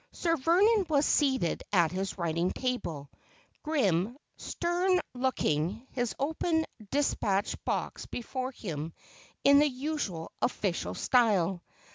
Sir Vernon was seated at his writing table, grim, stern look ing, his open despatch box before him in the usual official style.